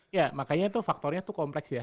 iya makanya tuh faktornya tuh kompleks ya